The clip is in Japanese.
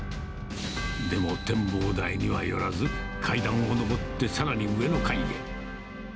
でも展望台には寄らず、階段を上って、さらに上の階へ。